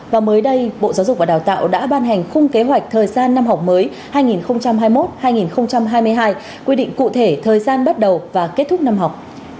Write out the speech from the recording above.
và mới đây bộ giáo dục và đào tạo đã ban hành khung kế hoạch thời gian năm học mới hai nghìn hai mươi một hai nghìn hai mươi hai quy định cụ thể thời gian bắt đầu và kết thúc năm học